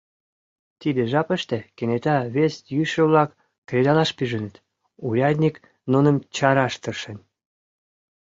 Тиде жапыште кенета вес йӱшӧ-влак кредалаш пижыныт, урядник нуным чараш тыршен.